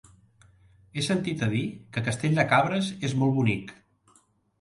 He sentit a dir que Castell de Cabres és molt bonic.